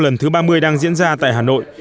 lần thứ ba mươi đang diễn ra tại hà nội